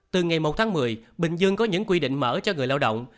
từ ngày một tháng một mươi bình dương có những quy định mở cho người lao động